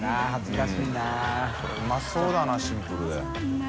海うまそうだなシンプルで。